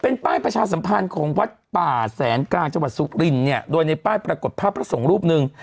เป็นป้ายประชาสัมพันธ์ของวัดป่าแสนกลางจังหวัดสุรินเนี่ยโดยในป้ายปรากฏภาพพระสงฆ์รูปหนึ่ง